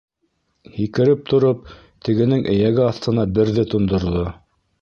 Һикереп тороп, тегенең эйәге аҫтына берҙе тондорҙо.